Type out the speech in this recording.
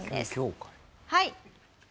はい。